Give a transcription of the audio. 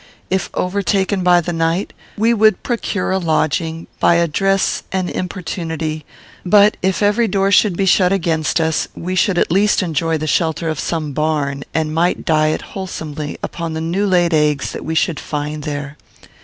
If overtaken by the night, we would procure a lodging, by address and importunity; but, if every door should be shut against us, we should at least enjoy the shelter of some barn, and might diet wholesomely upon the new laid eggs that we should find there.